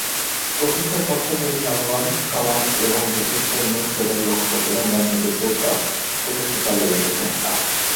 প্রতিষ্ঠার পর থেকে এটি জনগণ, সমাজ এবং দেশের জন্য সেবার লক্ষ্য এবং গন্তব্যে পৌঁছার প্রচেষ্টা চালিয়ে এসেছে।